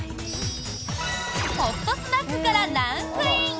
ホットスナックからランクイン！